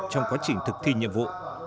trong quá trình thực thi nhiệm vụ